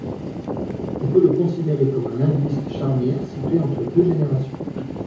On peut le considérer comme un linguiste charnière, situé entre deux générations.